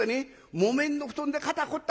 木綿の布団で肩凝った！